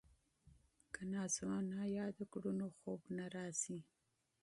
که نازو انا یاده کړو نو خوب نه راځي.